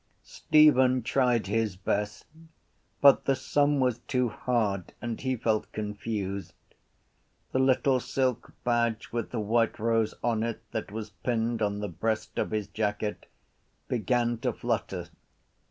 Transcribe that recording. Stephen tried his best but the sum was too hard and he felt confused. The little silk badge with the white rose on it that was pinned on the breast of his jacket began to flutter.